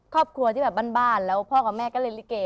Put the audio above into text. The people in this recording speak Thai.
ครอบครัวที่แบบบ้านแล้วพ่อกับแม่ก็เล่นลิเก